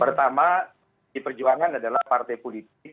pertama di perjuangan adalah partai politik